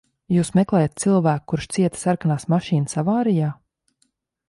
Jūs meklējat cilvēku, kurš cieta sarkanās mašīnas avārijā?